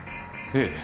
ええ。